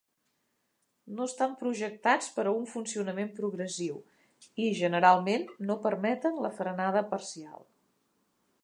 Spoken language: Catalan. No estan projectats per a un funcionament progressiu i, generalment, no permeten la frenada parcial.